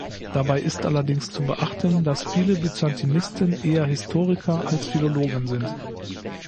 Dabei ist allerdings zu beachten, dass viele Byzantinisten eher Historiker als Philologen sind.